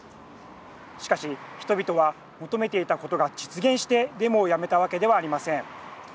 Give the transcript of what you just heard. しかし、人々は求めていたことが実現してデモをやめたわけではありません。